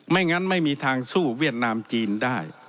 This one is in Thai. งั้นไม่มีทางสู้เวียดนามจีนได้